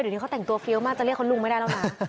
หรือเฉยเขาแต่งตัวเพียวมากจะเรียกเค้ามันไม่ได้แล้วนะ